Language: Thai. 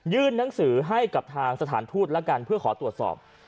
หนังสือให้กับทางสถานทูตแล้วกันเพื่อขอตรวจสอบ